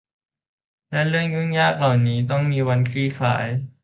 และเรื่องยุ่งยากเหล่านี้จะต้องมีวันคลี่คลาย